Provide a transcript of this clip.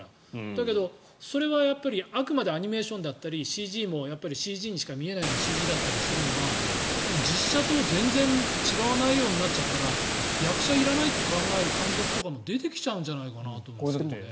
だけど、それはあくまでアニメーションだったりＣＧもＣＧにしか見えないようなＣＧだったりするのが実写と全然違わないようになっちゃったら役者いらないって考える監督とかも出てきちゃうんじゃないかなと。